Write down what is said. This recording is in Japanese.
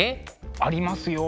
ありますよ。